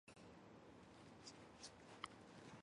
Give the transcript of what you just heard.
后为西突厥占据。